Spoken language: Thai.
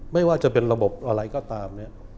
ไม่ว่าจะเป็นระบบอะไรก็ตามเนี่ย